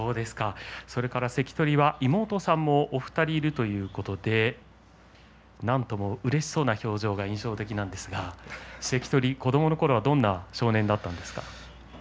それから関取は妹さんもお二人いるということでなんともうれしそうな表情が印象的なんですが子どものころはどんな少年だったんですか？